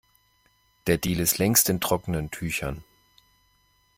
Der Deal ist längst in trockenen Tüchern.